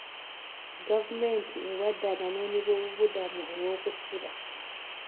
Gavumenti ewadde abanoonyi boobubudamu aw'okusula.